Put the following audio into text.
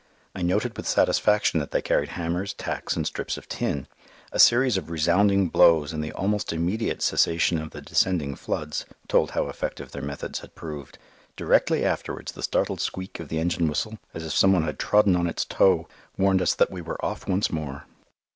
I noted with satisfaction that they carried hammers, tacks, and strips of tin. A series of resounding blows and the almost immediate cessation of the descending floods told how effective their methods had proved. Directly afterwards the startled squeak of the engine whistle, as if some one had trodden on its toe, warned us that we were off once more.